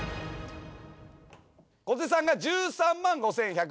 小手さんが１３万５，１２０円。